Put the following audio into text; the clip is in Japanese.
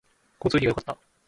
交通費が良かった